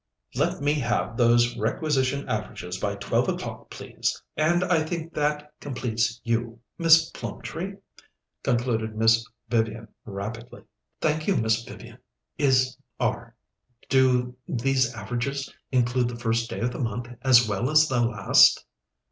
"Let me have those Requisition Averages by twelve o'clock, please and I think that completes you, Miss Plumtree?" concluded Miss Vivian rapidly. "Thank you, Miss Vivian. Is are do these averages include the first day of the month as well as the last?"